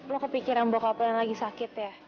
lu kepikiran bokapelan lagi sakit ya